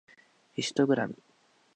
ヒストグラム